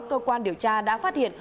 cơ quan điều tra đã phát hiện